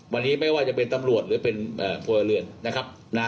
วันนี้ไม่ว่าจะเป็นตำรวจหรือเป็นพลเรือนนะครับ